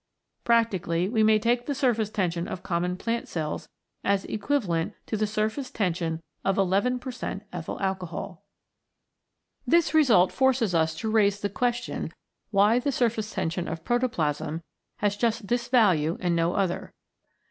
Practically we may take the surface tension of common plant cells as equivalent to the surface tension of n % ethyl alcohol. This result forces us to raise the question why the surface tension of protoplasm has just this value and no other.